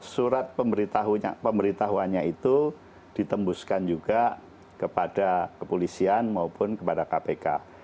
surat pemberitahuannya itu ditembuskan juga kepada kepolisian maupun kepada kpk